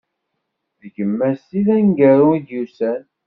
D gma-s i d aneggaru i d-yusan.